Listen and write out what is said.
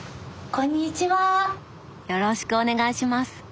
よろしくお願いします。